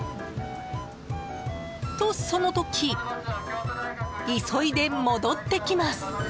と、その時急いで戻ってきます。